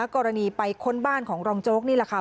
กรณีไปค้นบ้านของรองโจ๊กนี่แหละค่ะ